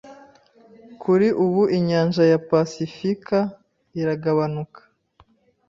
Kuri ubu inyanja ya pasifika iragabanuka